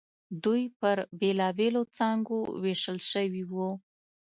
دوی پر بېلابېلو څانګو وېشل شوي وو.